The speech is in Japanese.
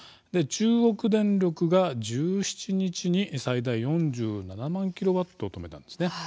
中国電力が１７日に最大４７万キロワット止めたんです。